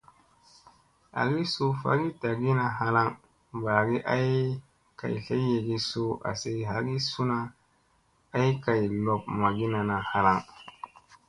Agi suu vagii tagiina halaŋ ɓagi ay kay tlekyegi suu asi hagisuna ay kay lob magina na halaŋ.